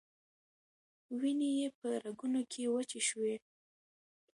وینې یې په رګونو کې وچې شوې.